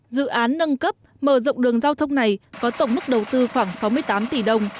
dự án nâng cấp mở rộng đường giao thông này có tổng mức đầu tư khoảng sáu mươi tám tỷ đồng